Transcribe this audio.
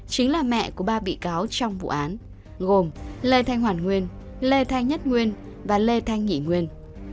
chính là mẹ của ba bị cáo trong vụ án gồm lê thanh hoàn nguyên lê thanh nhất nguyên và lê thanh nhị nguyên